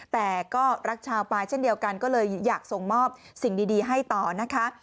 แต่ก็รักชาวปายเช่นเดียวกันก็เลยอยากส่งมอบสิ่งดีให้ต่อนะคะ